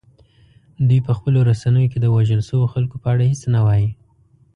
دوی په خپلو رسنیو کې د وژل شویو خلکو په اړه هیڅ نه وايي